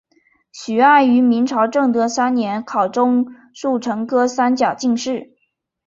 徐爱于明朝正德三年考中戊辰科三甲进士。